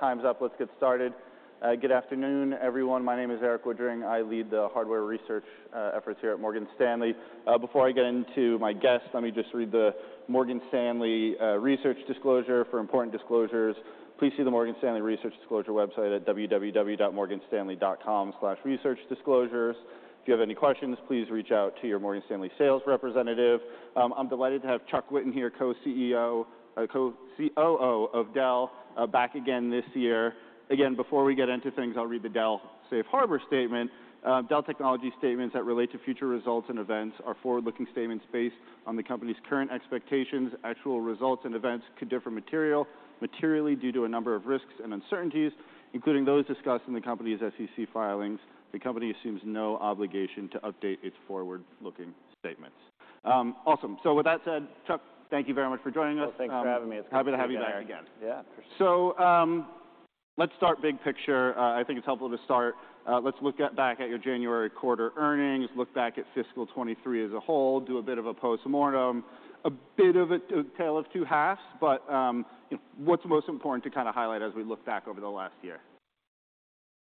Time's up. Let's get started. Good afternoon, everyone. My name is Erik Woodring. I lead the hardware research efforts here at Morgan Stanley. Before I get into my guest, let me just read the Morgan Stanley research disclosure. For important disclosures, please see the Morgan Stanley Research Disclosure website at www.morganstanley.com/researchdisclosures. If you have any questions, please reach out to your Morgan Stanley sales representative. I'm delighted to have Chuck Whitten here, Co-CEO, Co-COO of Dell, back again this year. Again, before we get into things, I'll read the Dell Safe Harbor statement. "Dell Technologies statements that relate to future results and events are forward-looking statements based on the company's current expectations. Actual results and events could differ materially due to a number of risks and uncertainties, including those discussed in the company's SEC filings. The company assumes no obligation to update its forward-looking statements. Awesome. With that said, Chuck, thank you very much for joining us. Well, thanks for having me. It's great to be here. Happy to have you back again. Yeah. For sure. Let's start big picture. I think it's helpful to start. Let's look back at your January quarter earnings, look back at fiscal 2023 as a whole, do a bit of a postmortem, a bit of a tale of two halves. You know, what's most important to kind of highlight as we look back over the last year?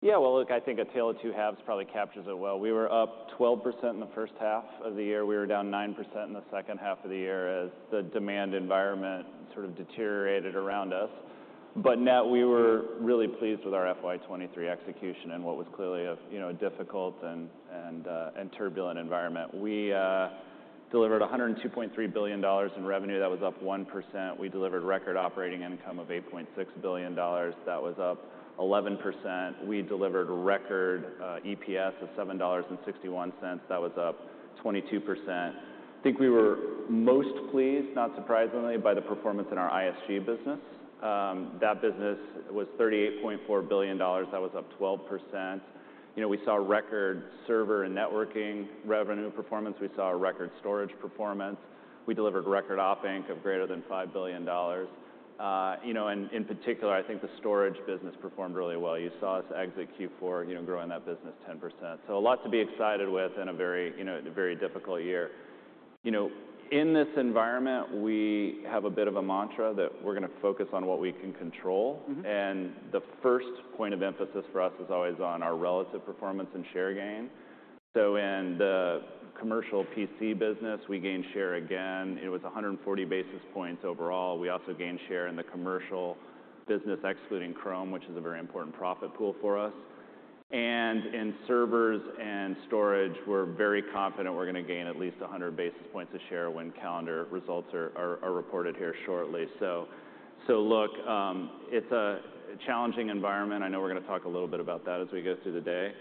Yeah. Well, look, I think a tale of two halves probably captures it well. We were up 12% in the first half of the year. We were down 9% in the second half of the year as the demand environment sort of deteriorated around us. Net, we were really pleased with our FY 2023 execution and what was clearly a, you know, a difficult and turbulent environment. We delivered $102.3 billion in revenue. That was up 1%. We delivered record operating income of $8.6 billion. That was up 11%. We delivered record EPS of $7.61. That was up 22%. I think we were most pleased, not surprisingly, by the performance in our ISG business. That business was $38.4 billion. That was up 12%. You know, we saw record server and networking revenue performance. We saw a record storage performance. We delivered record operating income of greater than $5 billion. You know, in particular, I think the storage business performed really well. You saw us exit Q4, you know, growing that business 10%. A lot to be excited with in a very, you know, very difficult year. You know, in this environment, we have a bit of a mantra that we're gonna focus on what we can control. Mm-hmm. The first point of emphasis for us is always on our relative performance and share gain. In the commercial PC business, we gained share again. It was 140 basis points overall. We also gained share in the commercial business excluding Chrome, which is a very important profit pool for us. In servers and storage, we're very confident we're gonna gain at least 100 basis points of share when calendar results are reported here shortly. Look, it's a challenging environment. I know we're gonna talk a little bit about that as we go through the day.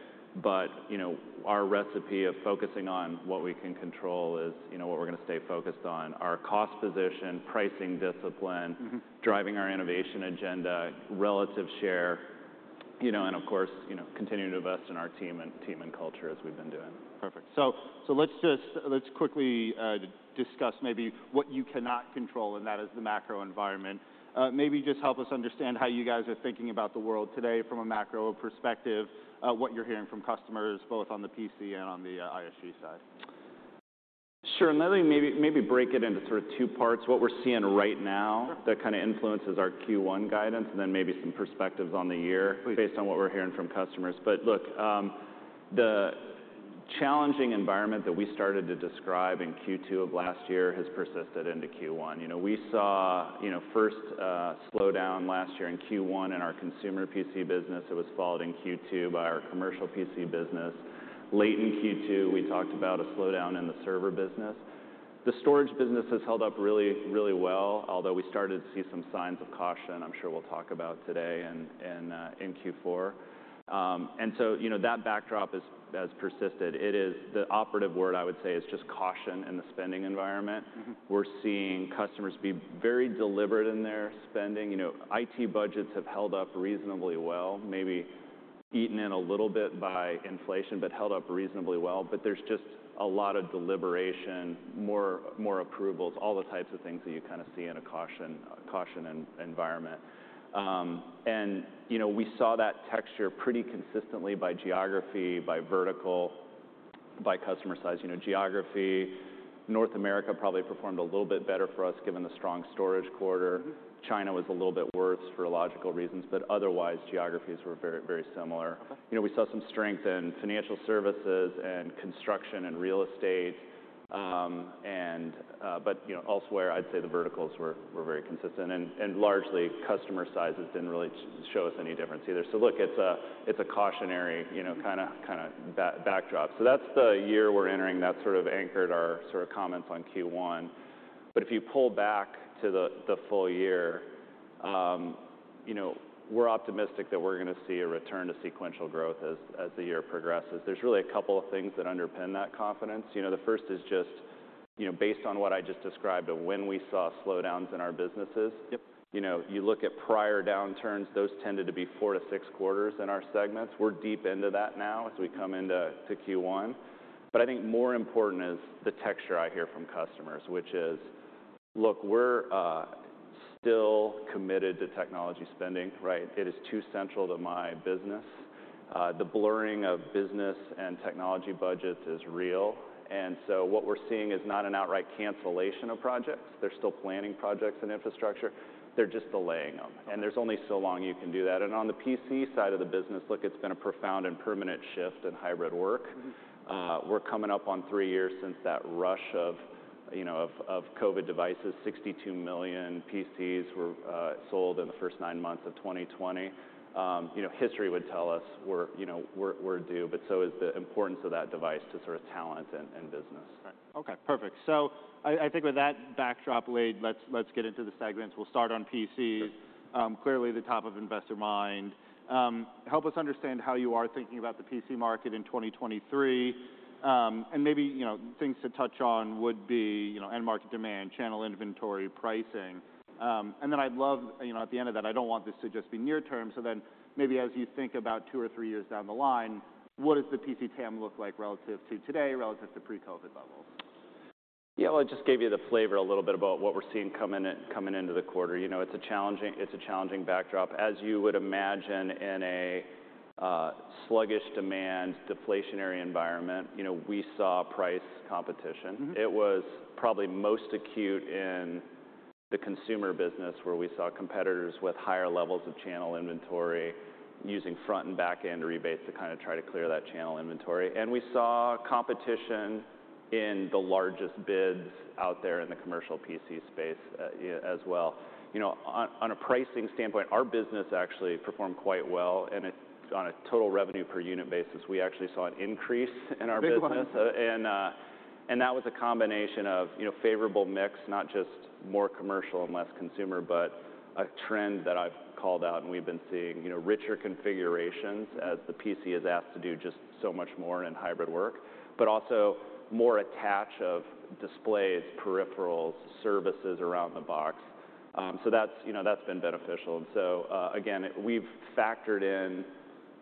You know, our recipe of focusing on what we can control is, you know, what we're gonna stay focused on, our cost position, pricing discipline, Mm-hmm driving our innovation agenda, relative share, you know, and of course, you know, continuing to invest in our team and culture as we've been doing. Perfect. Let's quickly discuss maybe what you cannot control. That is the macro environment. Maybe just help us understand how you guys are thinking about the world today from a macro perspective, what you're hearing from customers, both on the PC and on the ISG side. Sure. Let me maybe break it into sort of two parts, what we're seeing right now Sure that kind of influences our Q1 guidance, and then maybe some perspectives on the year- Please based on what we're hearing from customers. The challenging environment that we started to describe in Q2 of last year has persisted into Q1. You know, we saw, you know, first slowdown last year in Q1 in our consumer PC business. It was followed in Q2 by our commercial PC business. Late in Q2, we talked about a slowdown in the server business. The storage business has held up really, really well, although we started to see some signs of caution I'm sure we'll talk about today in Q4. You know, that backdrop has persisted. The operative word I would say is just caution in the spending environment. Mm-hmm. We're seeing customers be very deliberate in their spending. You know, IT budgets have held up reasonably well, maybe eaten in a little bit by inflation, but held up reasonably well. There's just a lot of deliberation, more approvals, all the types of things that you kind of see in a caution environment. You know, we saw that texture pretty consistently by geography, by vertical, by customer size. You know, geography, North America probably performed a little bit better for us given the strong storage quarter. Mm-hmm. China was a little bit worse for logical reasons, but otherwise, geographies were very, very similar. Okay. You know, we saw some strength in financial services and construction and real estate, but, you know, elsewhere, I'd say the verticals were very consistent. Largely, customer sizes didn't really show us any difference either. Look, it's a cautionary, you know. Mm-hmm kinda back-backdrop. That's the year we're entering. That sort of anchored our sort of comments on Q1. If you pull back to the full year, you know, we're optimistic that we're gonna see a return to sequential growth as the year progresses. There's really a couple of things that underpin that confidence. You know, the first is just, you know, based on what I just described of when we saw slowdowns in our businesses, Yep you know, you look at prior downturns, those tended to be four to six quarters in our segments. We're deep into that now as we come into Q1. I think more important is the texture I hear from customers, which is, "Look, we're still committed to technology spending." Right? "It is too central to my business." The blurring of business and technology budgets is real. What we're seeing is not an outright cancellation of projects. They're still planning projects in infrastructure. They're just delaying them, and there's only so long you can do that. On the PC side of the business, look, it's been a profound and permanent shift in hybrid work. Mm-hmm. We're coming up on three years since that rush of, you know, of COVID devices. 62 million PCs were sold in the first nine months of 2020. You know, history would tell us we're, you know, we're due. So is the importance of that device to sort of talent and business. Right. Okay, perfect. I think with that backdrop laid, let's get into the segments. We'll start on PC. Clearly the top of investor mind. Help us understand how you are thinking about the PC market in 2023. Maybe, you know, things to touch on would be, you know, end market demand, channel inventory, pricing. Then I'd love, you know, at the end of that, I don't want this to just be near term, maybe as you think about two or three years down the line, what does the PC TAM look like relative to today, relative to pre-COVID levels? Yeah. Well, I just gave you the flavor a little bit about what we're seeing coming in, coming into the quarter. You know, it's a challenging backdrop. As you would imagine in a sluggish demand, deflationary environment, you know, we saw price competition. Mm-hmm. It was probably most acute in the consumer business, where we saw competitors with higher levels of channel inventory using front and back-end rebates to kind of try to clear that channel inventory. We saw competition in the largest bids out there in the commercial PC space, as well. You know, on a pricing standpoint, our business actually performed quite well, on a total revenue per unit basis, we actually saw an increase in our business. Big one. That was a combination of, you know, favorable mix, not just more commercial and less consumer, but a trend that I've called out, and we've been seeing, you know, richer configurations as the PC is asked to do just so much more in hybrid work, but also more attach of displays, peripherals, services around the box. That's, you know, that's been beneficial. Again, we've factored in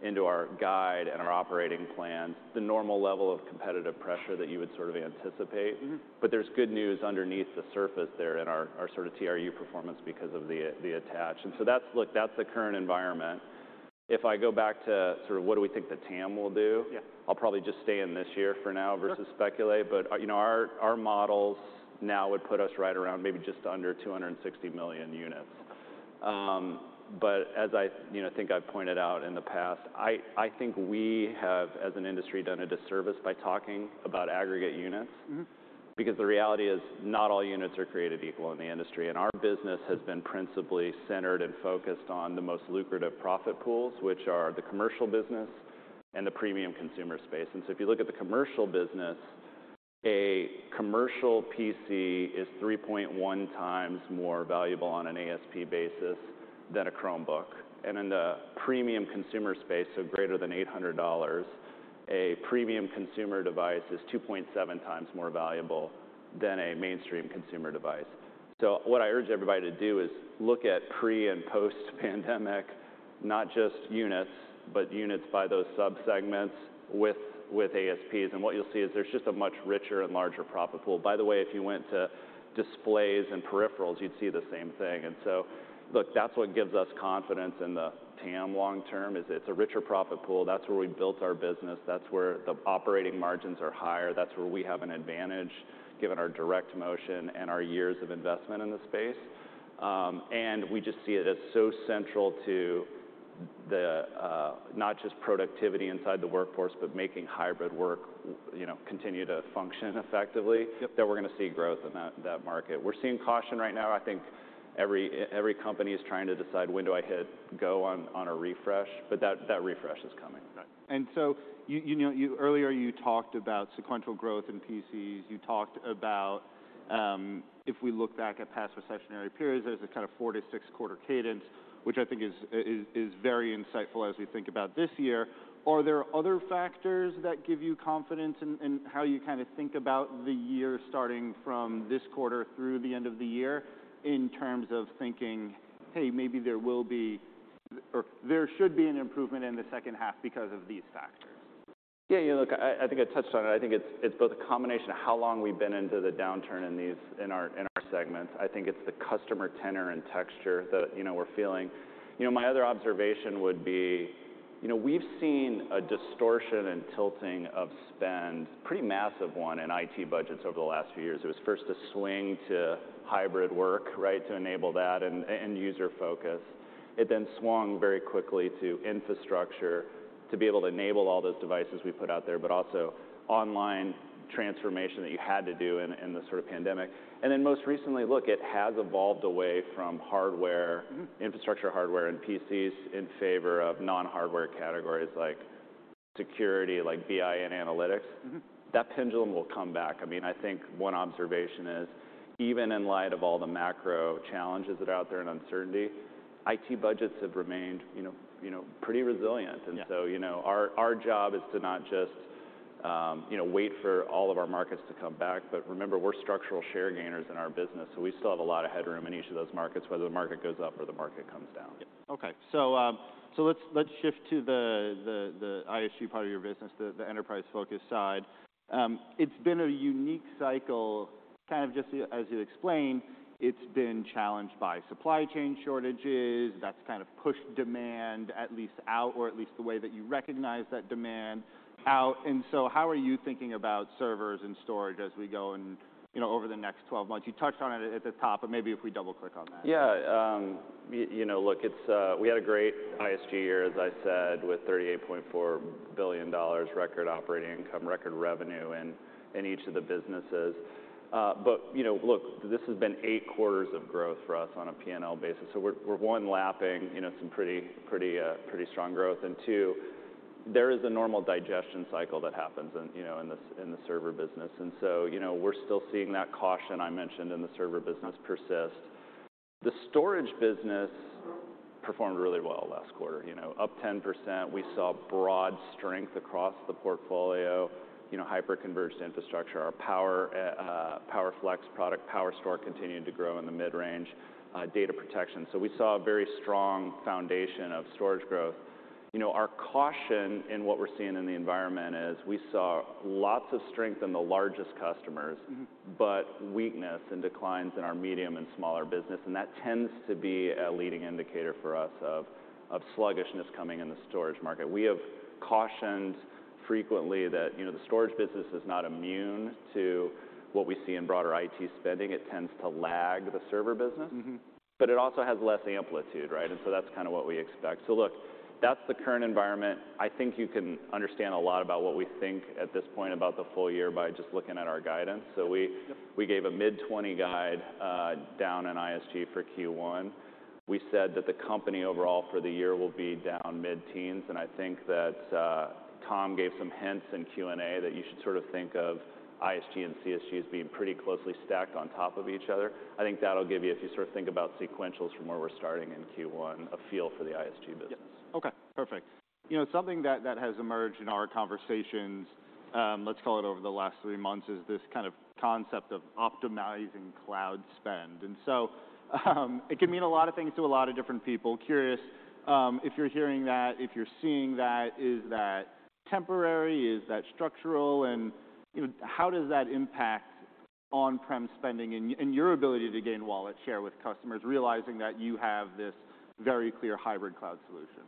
into our guide and our operating plans the normal level of competitive pressure that you would sort of anticipate. Mm-hmm. There's good news underneath the surface there in our sort of TRU performance because of the attach. That's, look, that's the current environment. If I go back to sort of what do we think the TAM will do, Yeah I'll probably just stay in this year for now Sure versus speculate. You know, our models now would put us right around maybe just under 260 million units. As I, you know, think I've pointed out in the past, I think we have, as an industry, done a disservice by talking about aggregate units. Mm-hmm. Because the reality is, not all units are created equal in the industry, and our business has been principally centered and focused on the most lucrative profit pools, which are the commercial business and the premium consumer space. If you look at the commercial business, a commercial PC is 3.1x more valuable on an ASP basis than a Chromebook. In the premium consumer space, so greater than $800, a premium consumer device is 2.7x more valuable than a mainstream consumer device. What I urge everybody to do is look at pre- and post-pandemic, not just units, but units by those sub-segments with ASPs, and what you'll see is there's just a much richer and larger profit pool. By the way, if you went to displays and peripherals, you'd see the same thing. Look, that's what gives us confidence in the TAM long term, is it's a richer profit pool. That's where we built our business. That's where the operating margins are higher. That's where we have an advantage given our direct motion and our years of investment in the space. And we just see it as so central to the not just productivity inside the workforce, but making hybrid work, you know, continue to function effectively Yep that we're gonna see growth in that market. We're seeing caution right now. I think every company is trying to decide, "When do I hit go on a refresh?" That refresh is coming. Right. you know, earlier you talked about sequential growth in PCs. You talked about, if we look back at past recessionary periods, there's a kind of four to six-quarter cadence, which I think is very insightful as we think about this year. Are there other factors that give you confidence in how you kind of think about the year starting from this quarter through the end of the year in terms of thinking, "Hey, maybe there will be or there should be an improvement in the second half because of these factors"? Yeah. You know, look, I think I touched on it. I think it's both a combination of how long we've been into the downturn in these, in our segments. I think it's the customer tenor and texture that, you know, we're feeling. You know, my other observation would be, you know, we've seen a distortion and tilting of spend, pretty massive one in IT budgets over the last few years. It was first a swing to hybrid work, right, to enable that and user focus. It then swung very quickly to infrastructure to be able to enable all those devices we put out there, but also online transformation that you had to do in the sort of pandemic. Most recently, look, it has evolved away from hardware, Mm-hmm infrastructure hardware and PCs in favor of non-hardware categories like Security, like BI and Analytics. Mm-hmm. That pendulum will come back. I mean, I think one observation is, even in light of all the macro challenges that are out there and uncertainty, IT budgets have remained, you know, pretty resilient. Yeah. You know, our job is to not just, you know, wait for all of our markets to come back, but remember, we're structural share gainers in our business, so we still have a lot of headroom in each of those markets, whether the market goes up or the market comes down. Yeah. Okay. Let's shift to the ISG part of your business, the enterprise-focused side. It's been a unique cycle, kind of just as you explained, it's been challenged by supply chain shortages. That's kind of pushed demand at least out, or at least the way that you recognize that demand out. How are you thinking about servers and storage as we go You know, over the next 12 months? You touched on it at the top, but maybe if we double-click on that. You know, look, it's, we had a great ISG year, as I said, with $38.4 billion record operating income, record revenue in each of the businesses. You know, look, this has been eight quarters of growth for us on a P&L basis, so we're one, lapping, you know, some pretty strong growth. Two, there is a normal digestion cycle that happens in, you know, in the server business. You know, we're still seeing that caution I mentioned in the server business persist. The storage business performed really well last quarter, you know, up 10%. We saw broad strength across the portfolio, you know, hyper-converged infrastructure. Our PowerFlex product, PowerStore continued to grow in the mid-range, data protection. We saw a very strong foundation of storage growth. You know, our caution in what we're seeing in the environment is we saw lots of strength in the largest customers. Mm-hmm. Weakness and declines in our medium and smaller business. That tends to be a leading indicator for us of sluggishness coming in the storage market. We have cautioned frequently that, you know, the storage business is not immune to what we see in broader IT spending. It tends to lag the server business. Mm-hmm. It also has less amplitude, right? That's kind of what we expect. Look, that's the current environment. I think you can understand a lot about what we think at this point about the full year by just looking at our guidance. Yep We gave a mid-20 guide, down in ISG for Q1. We said that the company overall for the year will be down mid-teens, and I think that Tom gave some hints in Q&A that you should sort of think of ISG and CSG as being pretty closely stacked on top of each other. I think that'll give you, if you sort of think about sequentials from where we're starting in Q1, a feel for the ISG business. Yeah. Okay, perfect. You know, something that has emerged in our conversations, let's call it over the last three months, is this kind of concept of optimizing cloud spend. It can mean a lot of things to a lot of different people. Curious, if you're hearing that, if you're seeing that, is that temporary? Is that structural? You know, how does that impact on-prem spending and your ability to gain wallet share with customers, realizing that you have this very clear hybrid cloud solution?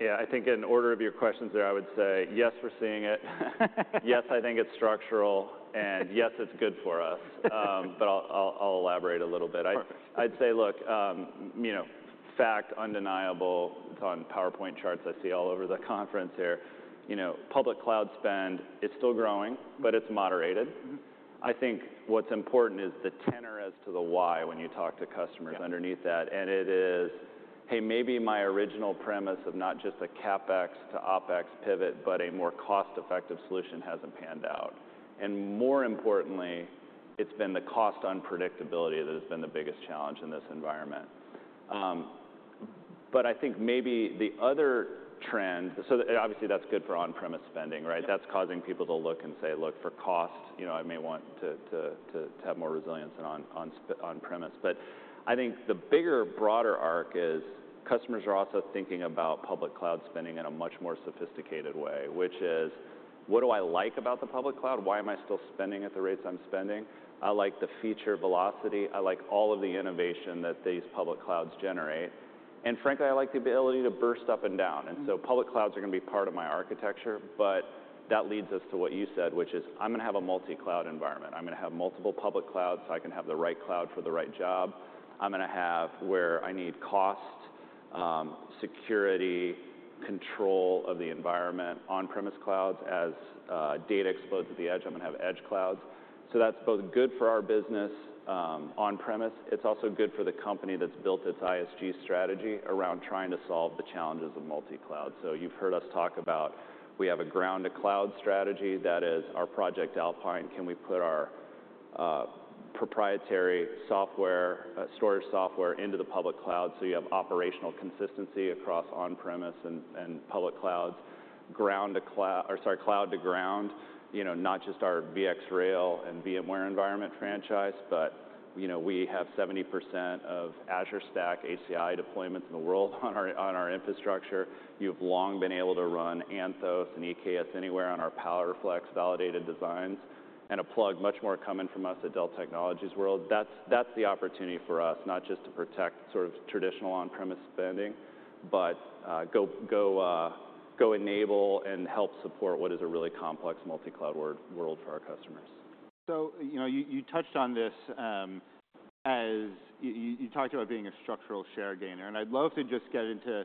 Yeah, I think in order of your questions there, I would say, yes, we're seeing it. Yes, I think it's structural, and yes, it's good for us. I'll elaborate a little bit. Perfect. I'd say, look, you know, fact, undeniable. It's on PowerPoint charts I see all over the conference here. You know, public cloud spend, it's still growing, but it's moderated. Mm-hmm. I think what's important is the tenor as to the why when you talk to customers. Yeah underneath that. It is, hey, maybe my original premise of not just a CapEx to OpEx pivot, but a more cost-effective solution hasn't panned out. More importantly, it's been the cost unpredictability that has been the biggest challenge in this environment. I think maybe the other trend. Obviously that's good for on-premise spending, right? Yeah. That's causing people to look and say, "Look, for cost, you know, I may want to have more resilience and on premise." I think the bigger, broader arc is customers are also thinking about public cloud spending in a much more sophisticated way, which is: What do I like about the public cloud? Why am I still spending at the rates I'm spending? I like the feature velocity. I like all of the innovation that these public clouds generate. Frankly, I like the ability to burst up and down. Mm-hmm. Public clouds are going to be part of my architecture, but that leads us to what you said, which is, "I'm going to have a multi-cloud environment. I'm going to have multiple public clouds, so I can have the right cloud for the right job. I'm going to have where I need cost, security, control of the environment, on-premise clouds. As data explodes at the edge, I'm going to have edge clouds." That's both good for our business on-premise. It's also good for the company that's built its ISG strategy around trying to solve the challenges of multi-cloud. You've heard us talk about we have a ground-to-cloud strategy. That is our Project Alpine. Can we put our proprietary software, storage software into the public cloud so you have operational consistency across on-premise and public clouds? Ground to cloud to ground, you know, not just our VxRail and VMware environment franchise, but you know, we have 70% of Azure Stack HCI deployments in the world on our infrastructure. You've long been able to run Anthos and EKS anywhere on our PowerFlex validated designs. A plug, much more coming from us at Dell Technologies World. That's the opportunity for us, not just to protect sort of traditional on-premise spending, but go enable and help support what is a really complex multi-cloud world for our customers. You know, you touched on this, as you talked about being a structural share gainer, and I'd love to just get into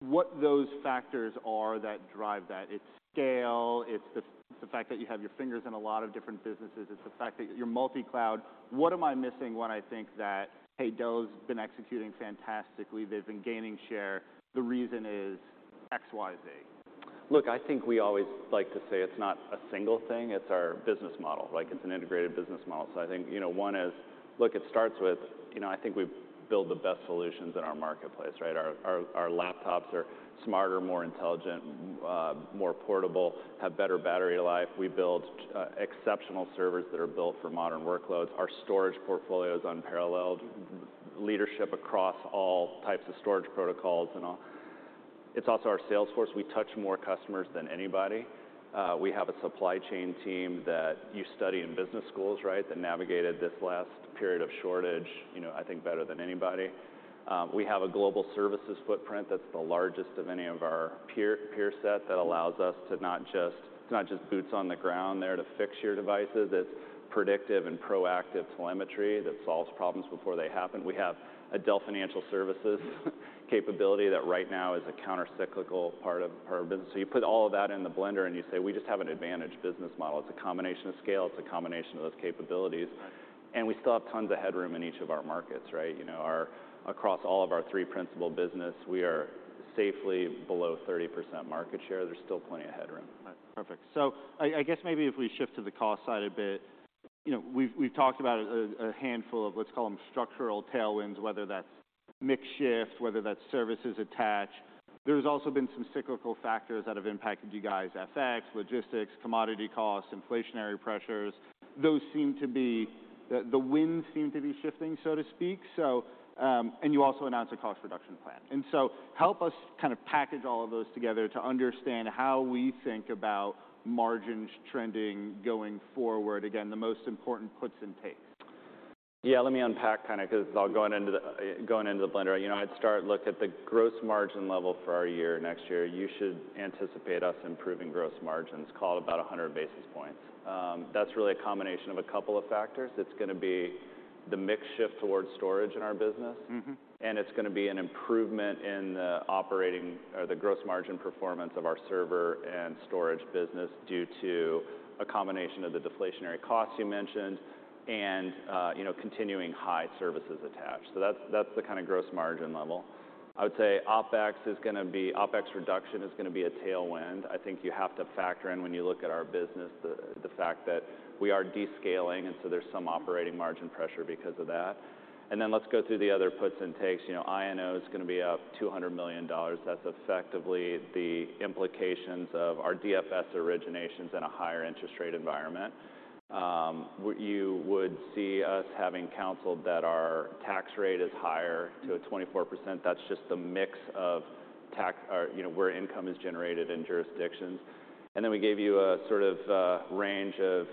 what those factors are that drive that. It's scale. It's the fact that you have your fingers in a lot of different businesses. It's the fact that you're multi-cloud. What am I missing when I think that, hey, Dell's been executing fantastically. They've been gaining share. The reason is X, Y, Z. I think we always like to say it's not a single thing, it's our business model. It's an integrated business model. I think, you know, one is, look, it starts with, you know, I think we build the best solutions in our marketplace, right? Our laptops are smarter, more intelligent, more portable, have better battery life. We build exceptional servers that are built for modern workloads. Our storage portfolio is unparalleled. Leadership across all types of storage protocols and all. It's also our sales force. We touch more customers than anybody. We have a supply chain team that you study in business schools, right? That navigated this last period of shortage, you know, I think better than anybody. We have a global services footprint that's the largest of any of our peer set that allows us to. It's not just boots on the ground there to fix your devices. It's predictive and proactive telemetry that solves problems before they happen. We have a Dell Financial Services capability that right now is a counter-cyclical part of business. You put all of that in the blender, and you say, "We just have an advantage business model." It's a combination of scale. It's a combination of those capabilities. Right. We still have tons of headroom in each of our markets, right? You know, across all of our three principal business, we are safely below 30% market share. There's still plenty of headroom. Right. Perfect. I guess maybe if we shift to the cost side a bit, you know, we've talked about a handful of let's call them structural tailwinds, whether that's mix shift, whether that's services attached. There's also been some cyclical factors that have impacted you guys: FX, logistics, commodity costs, inflationary pressures. Those seem to be. The winds seem to be shifting, so to speak. And you also announced a cost reduction plan. Help us kind of package all of those together to understand how we think about margins trending going forward. Again, the most important puts and takes. Yeah, let me unpack kind of, 'cause it's all going into the blender. You know, I'd start, look at the gross margin level for our year. Next year, you should anticipate us improving gross margins, call it about 100 basis points. That's really a combination of a couple of factors. It's gonna be the mix shift towards storage in our business. Mm-hmm. It's gonna be an improvement in the operating or the gross margin performance of our server and storage business due to a combination of the deflationary costs you mentioned and, you know, continuing high services attached. That's the kind of gross margin level. I would say OpEx reduction is gonna be a tailwind. I think you have to factor in, when you look at our business, the fact that we are descaling, so there's some operating margin pressure because of that. Let's go through the other puts and takes. You know, INO is gonna be up $200 million. That's effectively the implications of our DFS originations in a higher interest rate environment. What you would see us having counseled that our tax rate is higher. Mm-hmm to a 24%. That's just the mix of tax or, you know, where income is generated in jurisdictions. Then we gave you a sort of range of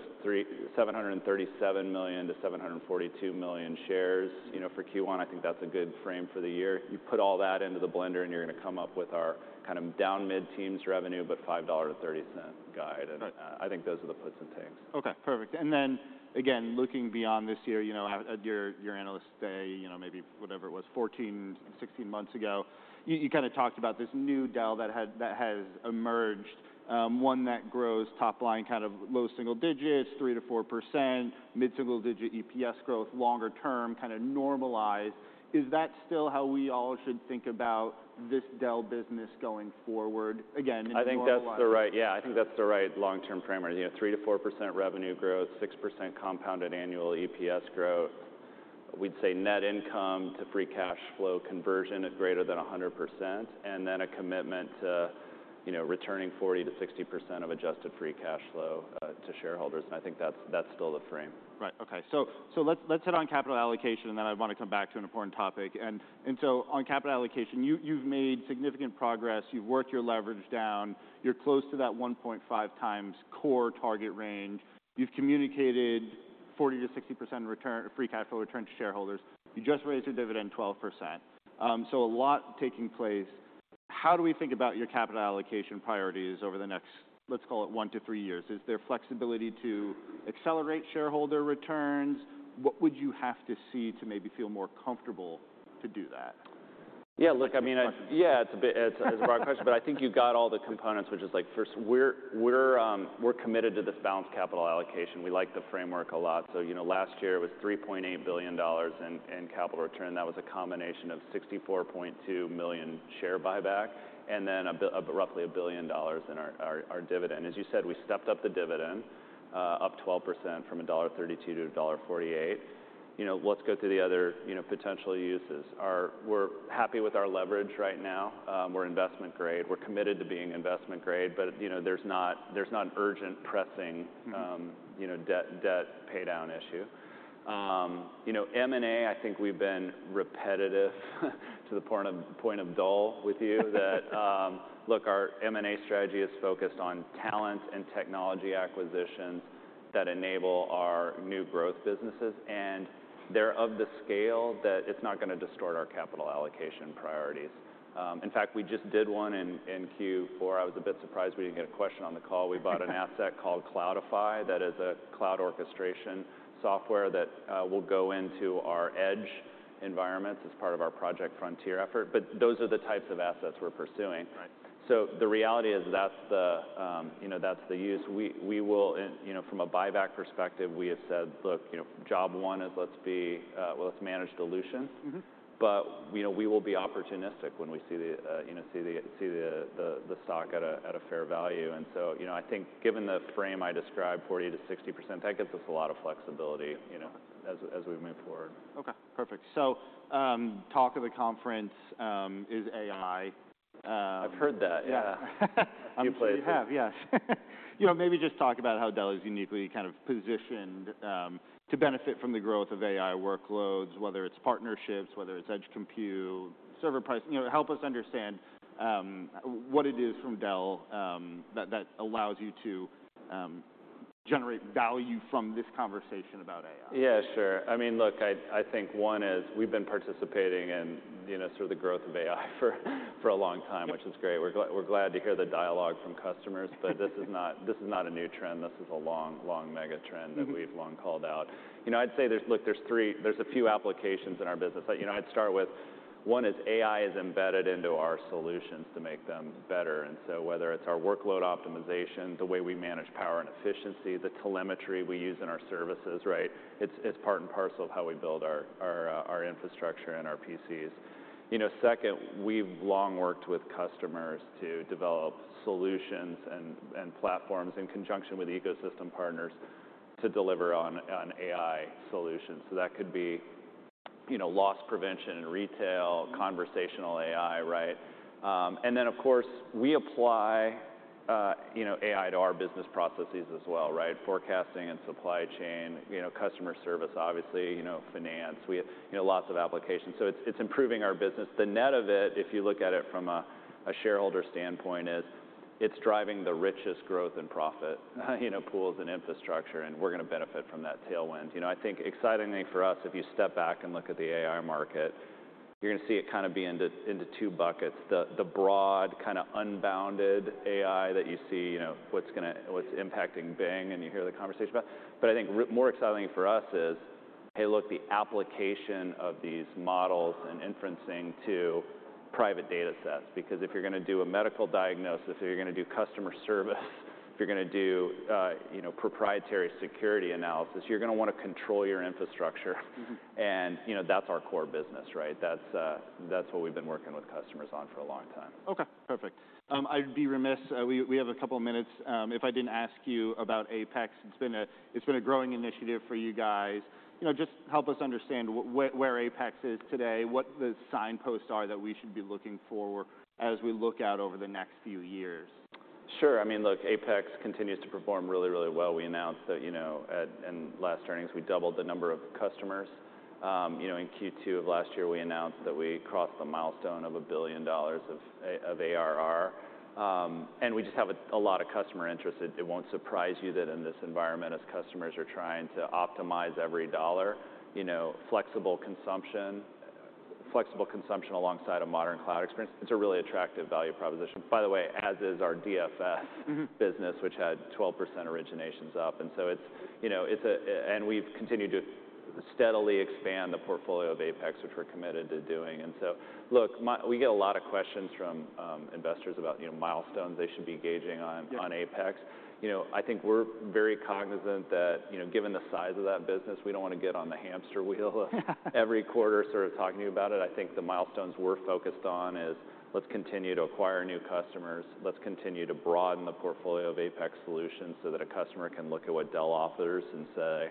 737 million-742 million shares. You know, for Q1, I think that's a good frame for the year. You put all that into the blender, you're gonna come up with our kind of down mid-teams revenue, but $5.30 guide. I think those are the puts and takes. Okay, perfect. Again, looking beyond this year, you know, at your Analyst Day, you know, maybe whatever it was, 14, 16 months ago, you kind of talked about this new Dell that has emerged, one that grows top line kind of low single digits, 3%-4%, mid-single digit EPS growth longer term, kind of normalized. Is that still how we all should think about this Dell business going forward? Again, in normalized- Yeah, I think that's the right long-term framework. You know, 3%-4% revenue growth, 6% compounded annual EPS growth. We'd say net income to free cash flow conversion at greater than 100%, and then a commitment to, you know, returning 40%-60% of Adjusted Free Cash Flow to shareholders, and I think that's still the frame. Right. Okay. Let's hit on capital allocation. I want to come back to an important topic. On capital allocation, you've made significant progress. You've worked your leverage down. You're close to that 1.5x core target range. You've communicated 40%-60% return, free cash flow return to shareholders. You just raised your dividend 12%. A lot taking place. How do we think about your capital allocation priorities over the next, let's call it one to three years? Is there flexibility to accelerate shareholder returns? What would you have to see to maybe feel more comfortable to do that? Yeah, look, I mean- It's a big question. Yeah, it's a broad question, but I think you got all the components, which is like, first, we're committed to this balanced capital allocation. We like the framework a lot. You know, last year it was $3.8 billion in capital return. That was a combination of 64.2 million share buyback, and then roughly $1 billion in our dividend. As you said, we stepped up the dividend 12% from $1.32 to $1.48. You know, let's go through the other, you know, potential uses. We're happy with our leverage right now. We're investment grade. We're committed to being investment grade, but, you know, there's not an urgent pressing. Mm-hmm you know, debt pay down issue. You know, M&A, I think we've been repetitive to the point of dull with that, look, our M&A strategy is focused on talent and technology acquisitions that enable our new growth businesses, and they're of the scale that it's not gonna distort our capital allocation priorities. In fact, we just did one in Q4. I was a bit surprised we didn't get a question on the call. We bought an asset called Cloudify that is a cloud orchestration software that will go into our edge environments as part of our Project Frontier effort. Those are the types of assets we're pursuing. Right. The reality is that's the, you know, that's the use. We will You know, from a buyback perspective, we have said, "Look, you know, job one is let's be, well, let's manage dilution. Mm-hmm. You know, we will be opportunistic when we see the, you know, see the stock at a fair value. You know, I think given the frame I described, 40%-60%, that gives us a lot of flexibility, you know, as we move forward. Okay, perfect. Talk of the conference, is AI. I've heard that, yeah. Yeah. You played it. You have, yes. You know, maybe just talk about how Dell is uniquely kind of positioned to benefit from the growth of AI workloads, whether it's partnerships, whether it's edge compute, server price. You know, help us understand what it is from Dell that allows you to generate value from this conversation about AI. Yeah, sure. I mean, look, I think one is we've been participating in, you know, sort of the growth of AI for a long time, which is great. We're glad to hear the dialogue from customers. This is not a new trend. This is a long mega trend Mm-hmm that we've long called out. You know, I'd say there's a few applications in our business. You know, I'd start with one is AI is embedded into our solutions to make them better. Whether it's our workload optimization, the way we manage power and efficiency, the telemetry we use in our services, right? It's part and parcel of how we build our infrastructure and our PCs. You know, second, we've long worked with customers to develop solutions and platforms in conjunction with ecosystem partners to deliver on AI solutions. That could be, you know, loss prevention in retail Mm conversational AI, right? We apply, you know, AI to our business processes as well, right? Forecasting and supply chain, you know, customer service, obviously, you know, finance. We have, you know, lots of applications. It's, it's improving our business. The net of it, if you look at it from a shareholder standpoint, is it's driving the richest growth in profit, you know, pools and infrastructure, and we're gonna benefit from that tailwind. Excitingly for us, if you step back and look at the AI market, you're gonna see it kind of be into two buckets. The, the broad kind of unbounded AI that you see, you know, what's impacting Bing, and you hear the conversation about. I think more exciting for us is, hey, look, the application of these models and inferencing to private data sets. Because if you're gonna do a medical diagnosis or you're gonna do customer service, if you're gonna do, you know, proprietary security analysis, you're gonna wanna control your infrastructure. Mm-hmm. You know, that's our core business, right? That's, that's what we've been working with customers on for a long time. Okay. Perfect. I'd be remiss, we have a couple of minutes, if I didn't ask you about APEX. It's been a growing initiative for you guys. You know, just help us understand where APEX is today, what the signposts are that we should be looking for as we look out over the next few years. Sure. I mean, look, APEX continues to perform really, really well. We announced that, you know, in last earnings, we doubled the number of customers. You know, in Q2 of last year, we announced that we crossed the milestone of $1 billion of ARR. We just have a lot of customer interest. It, it won't surprise you that in this environment, as customers are trying to optimize every dollar, you know, flexible consumption alongside a modern cloud experience, it's a really attractive value proposition. By the way, as is our DFS Mm-hmm business, which had 12% originations up. It's, you know, and we've continued to steadily expand the portfolio of APEX, which we're committed to doing. Look, we get a lot of questions from investors about, you know, milestones they should be gauging on- Yeah on APEX. You know, I think we're very cognizant that, you know, given the size of that business, we don't want to get on the hamster wheel every quarter sort of talking to you about it. I think the milestones we're focused on is, let's continue to acquire new customers. Let's continue to broaden the portfolio of APEX solutions so that a customer can look at what Dell offers and say,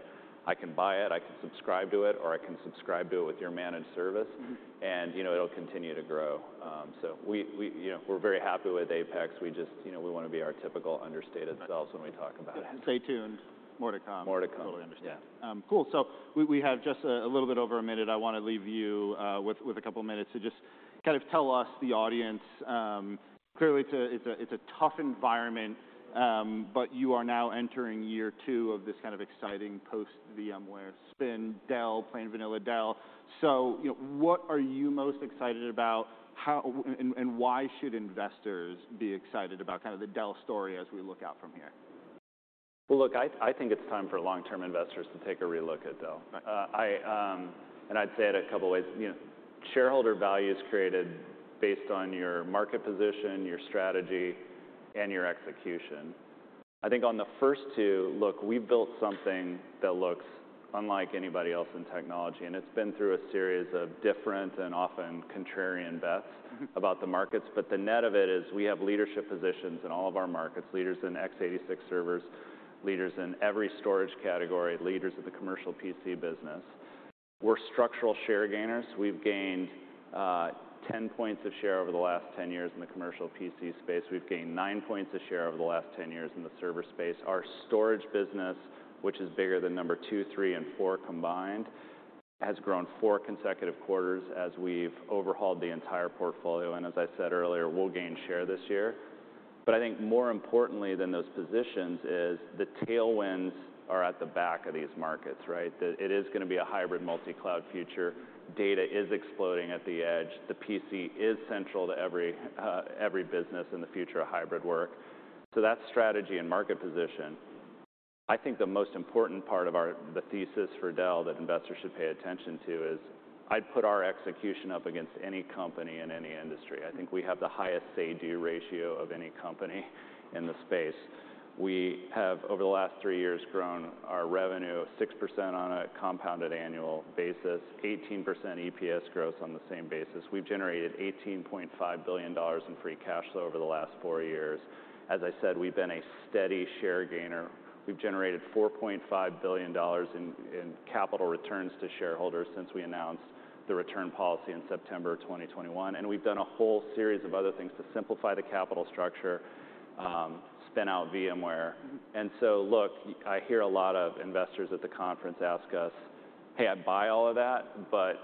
"I can buy it, I can subscribe to it, or I can subscribe to it with your managed service. Mm-hmm. You know, it'll continue to grow. We, you know, we're very happy with APEX. We just, you know, we wanna be our typical understated selves when we talk about it. Stay tuned. More to come. More to come. Totally understand. Yeah. Cool. We have just a little bit over a minute. I wanna leave you with a couple of minutes to just kind of tell us, the audience, clearly it's a tough environment, you are now entering year two of this kind of exciting post-VMware spin Dell, plain vanilla Dell. You know, what are you most excited about? Why should investors be excited about kind of the Dell story as we look out from here? Well, look, I think it's time for long-term investors to take a relook at Dell. I'd say it a couple ways. You know, shareholder value is created based on your market position, your strategy, and your execution. I think on the first two, look, we've built something that looks unlike anybody else in technology, and it's been through a series of different and often contrarian bets Mm-hmm about the markets. The net of it is, we have leadership positions in all of our markets, leaders in x86 servers, leaders in every storage category, leaders of the commercial PC business. We're structural share gainers. We've gained 10 points of share over the last 10 years in the commercial PC space. We've gained 9 points of share over the last 10 years in the server space. Our storage business, which is bigger than number two, three, and four combined, has grown four consecutive quarters as we've overhauled the entire portfolio. As I said earlier, we'll gain share this year. I think more importantly than those positions is the tailwinds are at the back of these markets, right? It is gonna be a hybrid multi-cloud future. Data is exploding at the edge. The PC is central to every business in the future of hybrid work. That's strategy and market position. I think the most important part of the thesis for Dell that investors should pay attention to is, I'd put our execution up against any company in any industry. I think we have the highest say-do ratio of any company in the space. We have, over the last three years, grown our revenue 6% on a compounded annual basis, 18% EPS growth on the same basis. We've generated $18.5 billion in free cash flow over the last four years. As I said, we've been a steady share gainer. We've generated $4.5 billion in capital returns to shareholders since we announced the return policy in September 2021. We've done a whole series of other things to simplify the capital structure, spin out VMware. Look, I hear a lot of investors at the conference ask us, "Hey, I buy all of that, but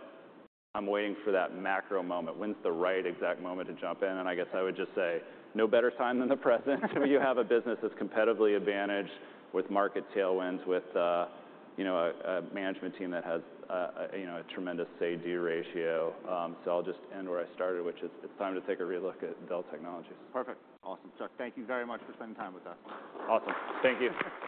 I'm waiting for that macro moment. When's the right exact moment to jump in?" I guess I would just say, "No better time than the present when you have a business that's competitively advantaged with market tailwinds, with, you know, a management team that has, you know, a tremendous say-do ratio." I'll just end where I started, which is it's time to take a relook at Dell Technologies. Perfect. Awesome. Chuck, thank you very much for spending time with us. Awesome. Thank you.